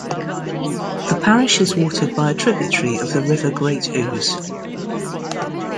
The parish is watered by a tributary of the River Great Ouse.